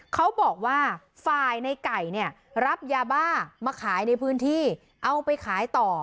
เขาบอกว่าฝ่ายในไก่เนี่ยรับยาบ้ามาขายในพื้นที่เอาไปขายต่อ